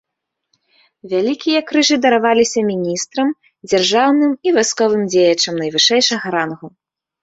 Вялікія крыжы дараваліся міністрам, дзяржаўным і вайсковым дзеячам найвышэйшага рангу.